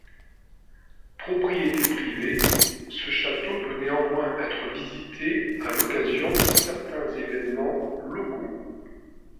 Propriété privée, ce château peut néanmoins être visité à l'occasion de certains événements locaux.